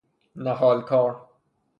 نهال کار